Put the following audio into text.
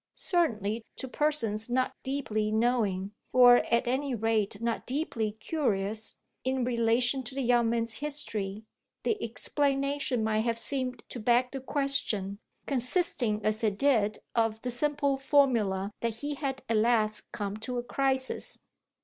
Certainly to persons not deeply knowing, or at any rate not deeply curious, in relation to the young man's history the explanation might have seemed to beg the question, consisting as it did of the simple formula that he had at last come to a crisis.